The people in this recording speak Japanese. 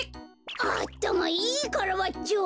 あったまいいカラバッチョ！